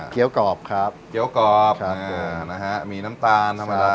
เกี้ยวกรอบครับครับผมเกี้ยวกรอบนะฮะมีน้ำตาลธรรมดา